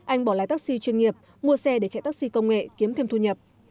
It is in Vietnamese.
anh bỏ lái taxi chuyên nghiệp mua xe để chạy taxi công nghệ kiếm thêm thu nhập